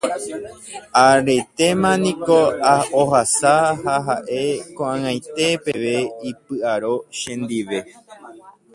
aretéma niko ohasa ha ha'e ko'ag̃aite peve ipy'aro chendive